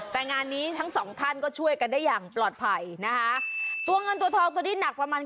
แต่งานนี้ทั้งสองท่านก็ช่วยกันได้อย่างปลอดภัยนะคะตัวเงินตัวทองตัวนี้หนักประมาณ